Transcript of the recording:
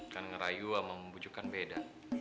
kan ngerayu sama membujukkan beda